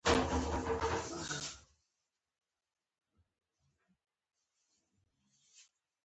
د اسلام رښتينی پيغام د الله يووالی او توحيد دی